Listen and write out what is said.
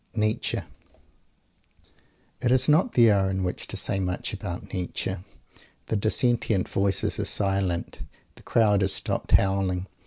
NIETZSCHE It is not the hour in which to say much about Nietzsche. The dissentient voices are silent. The crowd has stopped howling.